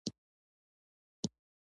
ماشوم د خپل سپي سره په کور کې لوبې کولې.